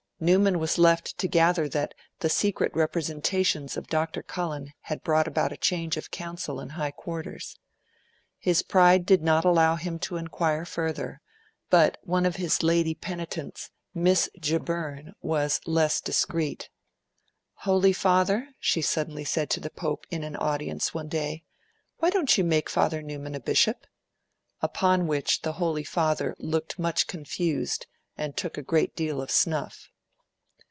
Newman was left to gather that the secret representations of Dr. Cullen had brought about a change of counsel in high quarters. His pride did not allow him to inquire further; but one of his lady penitents, Miss Giberne, was less discreet. 'Holy Father,' she suddenly said to the Pope in an audience one day, 'why don't you make Father Newman a bishop?' Upon which the Holy Father looked much confused and took a great deal of snuff.